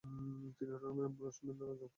তিনি টুর্নামেন্টের "bronze ball" অর্জন করেন।